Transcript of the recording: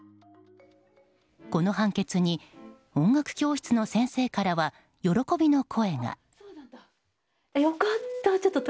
この判決に音楽教室の先生からは喜びの声が。